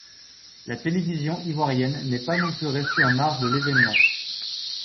La télévision ivoirienne n'est pas non plus restée en marge de l'événement.